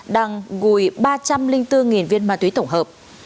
đang gùi ba trăm linh bốn viên ma túy tổng hợp